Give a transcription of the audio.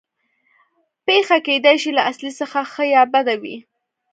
پېښه کېدای شي له اصلي څخه ښه یا بده وي